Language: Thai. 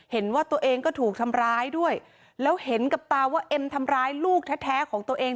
เห็นว่าตัวเองก็ถูกทำร้ายด้วยแล้วเห็นกับตาว่าเอ็มทำร้ายลูกแท้ของตัวเอง